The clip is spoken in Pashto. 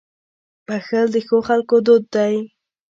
• بښل د ښو خلکو دود دی.